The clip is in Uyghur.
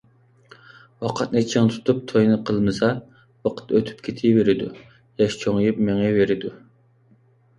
ۋاقىتنى چىڭ تۇتۇپ توينى قىلمىسا، ۋاقىت ئۆتۈپ كېتىۋېرىدۇ، ياش چوڭىيىپ مېڭىۋېرىدۇ.